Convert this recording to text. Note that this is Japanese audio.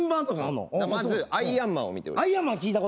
まず、「アイアンマン」を見てほしい。